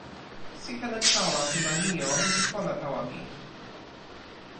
sitelen tawa pi ma Nijon li pona tawa mi.